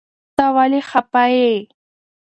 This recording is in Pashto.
ته ولي خفه يي